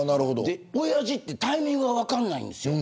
おやじはタイミングが分かんないんです。